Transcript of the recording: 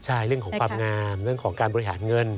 ใช่เรื่องของความงามเรื่องของการบริหารเงิน